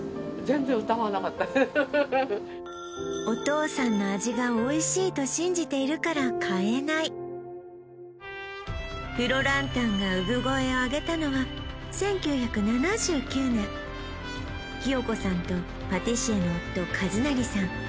お父さんの味がおいしいと信じているから変えないフロランタンが産声を上げたのは１９７９年キヨ子さんとパティシエの夫・和成さん